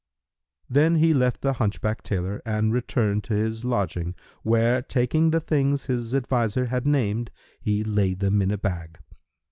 Then he left the hunchback tailor and returned to his lodging where, taking the things his adviser had named, he laid them in a bag.